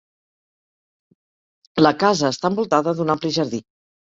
La casa està envoltada d'un ampli jardí.